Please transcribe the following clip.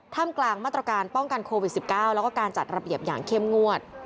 กลางมาตรการป้องกันโควิด๑๙แล้วก็การจัดระเบียบอย่างเข้มงวด